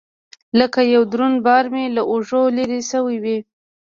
لكه يو دروند بار مې له اوږو لرې سوى وي.